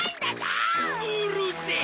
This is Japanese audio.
うるせえ！